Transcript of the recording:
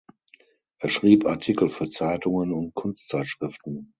Er schrieb Artikel für Zeitungen und Kunstzeitschriften.